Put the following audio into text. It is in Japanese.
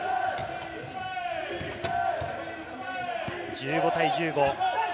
１５対１５。